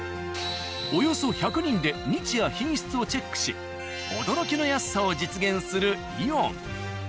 およそ１００人で日夜品質をチェックし驚きの安さを実現する「イオン」。